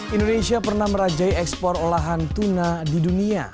indonesia pernah merajai ekspor olahan tuna di dunia